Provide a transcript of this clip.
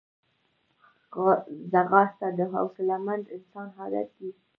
ځغاسته د حوصلهمند انسان عادت دی